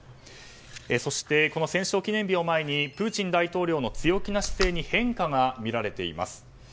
そして、この戦勝記念日を前にプーチン大統領の強気な姿勢に変化が見られています。